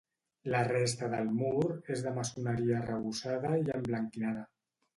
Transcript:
La resta del mur és de maçoneria arrebossada i emblanquinada.